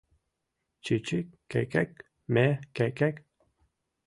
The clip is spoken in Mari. Чичи ке-кек — ме ке-кек